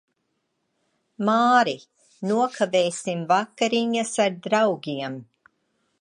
Māri, nokavēsim vakariņas ar draugiem.